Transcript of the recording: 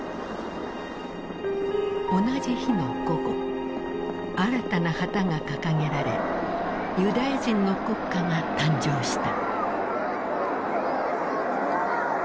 同じ日の午後新たな旗が掲げられユダヤ人の国家が誕生した。